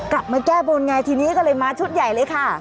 กลับมาแก้บนไงทีนี้ก็เลยมาชุดใหญ่เลยค่ะ